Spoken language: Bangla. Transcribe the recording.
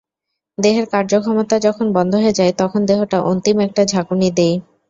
দেহের কার্যক্ষমতা যখন বন্ধ হয়ে যায় তখন দেহটা অন্তিম একটা ঝাঁকুনি দেয়!